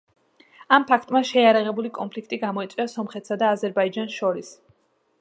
ამ ფაქტმა შეიარაღებული კონფლიქტი გამოიწვია სომხეთსა და აზერბაიჯანს შორის.